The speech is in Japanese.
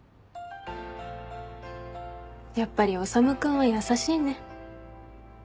やっぱり修君は優しいね。